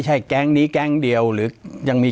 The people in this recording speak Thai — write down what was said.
ปากกับภาคภูมิ